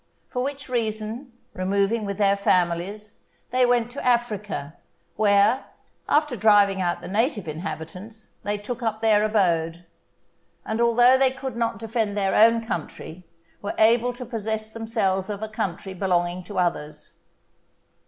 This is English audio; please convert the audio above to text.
For which reason, removing with their families, they went to Africa, where, after driving out the native inhabitants, they took up their abode; and although they could not defend their own country, were able to possess themselves of a country belonging to others.